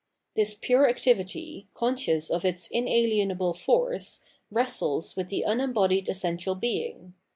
This pure activity, conscious of its inahenable force, wrestles with the unembodied essential being.